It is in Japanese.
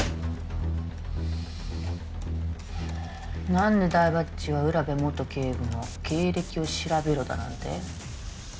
なんで台場っちは占部元警部の経歴を調べろだなんて？